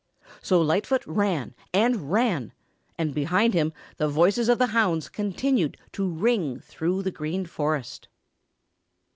So Lightfoot ran and ran, and behind him the voices of the hounds continued to ring through the Green Forest.